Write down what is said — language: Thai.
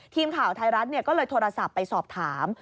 ทีมข่าวไทยรัฐก็เลยโทรศัพท์ไปสอบถาม